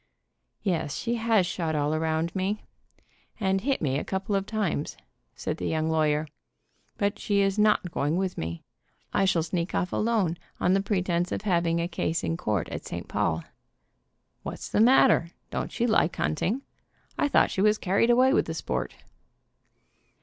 "Yes, she has shot all around me, and hit me a couple of times," said the young lawyer, "but she is not going with me. I shall sneak off alone, on the pretense of having a case in court at St. Paul." "\Yhat's the matter? Don't she like hunting? I thought she was carried away with the sport."